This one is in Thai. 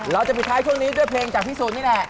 เราจะปิดท้ายช่วงนี้ด้วยเพลงจากพี่สุนี่แหละ